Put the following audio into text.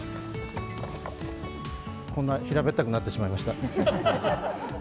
こんな平べったくなってしまいました。